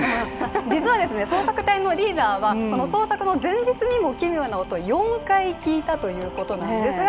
実は捜索隊のリーダーはこの捜索の前日にも奇妙な音４回聞いたそうなんですが。